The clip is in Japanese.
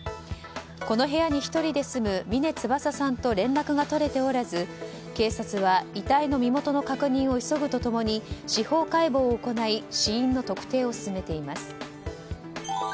この部屋に１人で住む峰翼さんと連絡が取れておらず警察は遺体の身元の確認を急ぐと共に司法解剖を行い死因の特定を進めています。